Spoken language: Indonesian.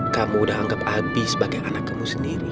kamu udah anggap api sebagai anak kamu sendiri